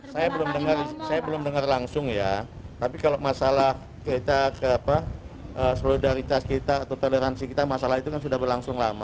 saya belum dengar langsung ya tapi kalau masalah solidaritas kita atau toleransi kita masalah itu kan sudah berlangsung lama